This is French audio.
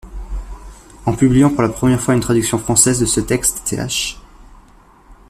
En publiant pour la première fois une traduction française de ce texte Th.